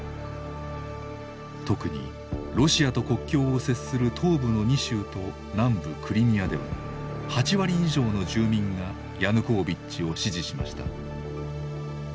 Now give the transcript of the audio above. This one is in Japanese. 特にロシアと国境を接する東部の２州と南部クリミアでは８割以上の住民がヤヌコービッチを支持しました。